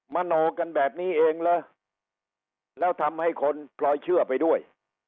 โนกันแบบนี้เองเหรอแล้วทำให้คนพลอยเชื่อไปด้วย